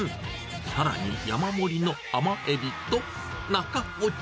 さらに山盛りの甘エビと中落ち。